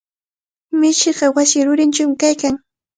Mishiqa wasi rurinchawmi kaykan.